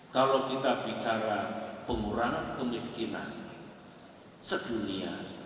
kalau kita bicara pengurangan kemiskinan sedunia